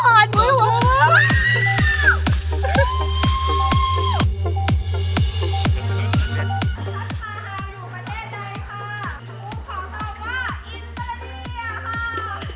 ผมขอตอบว่าอินเตอร์เรียค่ะ